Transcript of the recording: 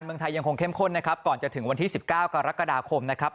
เมืองไทยยังคงเข้มข้นนะครับก่อนจะถึงวันที่๑๙กรกฎาคมนะครับ